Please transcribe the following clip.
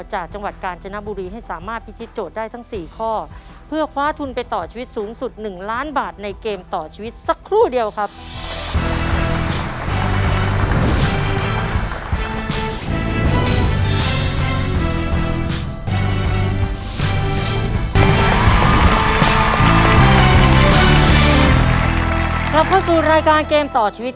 จากจังหวัดการร์จนะบุรี